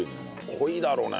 濃いだろうね。